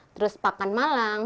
terus pakan malang